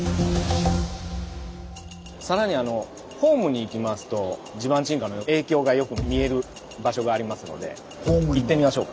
さらにホームに行きますと地盤沈下の影響がよく見える場所がありますので行ってみましょう。